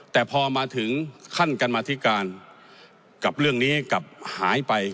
แต่พอมาถึงขั้นกรรมธิการกับเรื่องนี้กลับหายไป